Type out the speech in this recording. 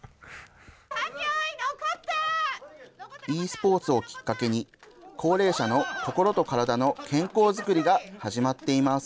ｅスポーツをきっかけに、高齢者の心と体の健康作りが始まっています。